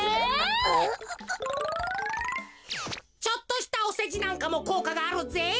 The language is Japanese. ちょっとしたおせじなんかもこうかがあるぜ。